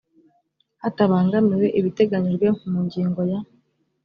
hatabangamiwe ibiteganyijwe mu ngingo ya